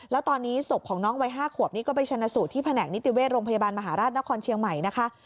แล้วตอนนี้ศพของน้องวัย๕ขวบนี้ก็ไปชนะสูตรที่แผนกนิติเวชโรงพยาบาลมหาราชนครเชียงใหม่นะคะ